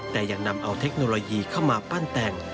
แต่ยังนำเอาเทคโนโลยีเข้ามาปั้นแต่ง